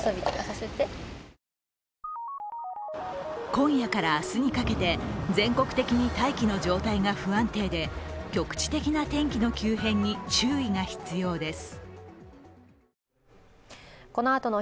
今夜から明日にかけて全国的に大気の状態が不安定で局地的な天気の急変に注意が必要です。